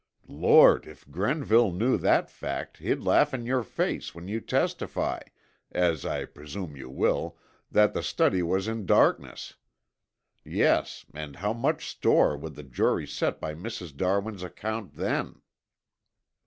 Lord, if Grenville knew that fact he'd laugh in your face when you testify, as I presume you will, that the study was in darkness. Yes, and how much store would the jury set by Mrs. Darwin's account then?"